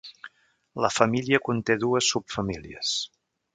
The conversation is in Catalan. La família conté dues subfamílies.